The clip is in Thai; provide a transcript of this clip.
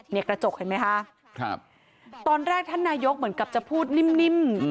กระจกเห็นไหมคะครับตอนแรกท่านนายกเหมือนกับจะพูดนิ่ม